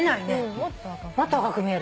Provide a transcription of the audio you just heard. もっと若く見える。